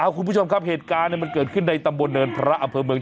คุณผู้ชมครับเหตุการณ์มันเกิดขึ้นในตำบลเนินพระอำเภอเมือง